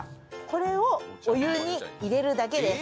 これをお湯に入れるだけです。